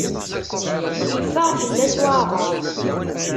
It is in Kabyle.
Iffeɣ fell-as waɛbaṛ.